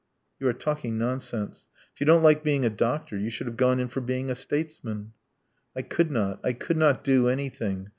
"You are talking nonsense. If you don't like being a doctor you should have gone in for being a statesman." "I could not, I could not do anything.